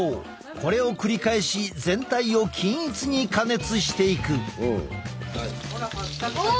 これを繰り返し全体を均一に加熱していく。